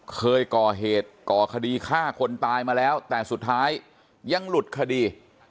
เคยก่อเหตุก่อคดีฆ่าคนตายมาแล้วแต่สุดท้ายยังหลุดคดี